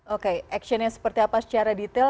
oke actionnya seperti apa secara detail